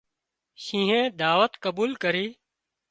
شينهنئي دعوت قبول ڪرِي